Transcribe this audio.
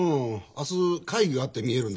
明日会議があって見えるんだがね